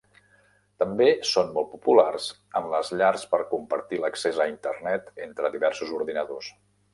També són molt populars en les llars per compartir l'accés a Internet entre diversos ordinadors.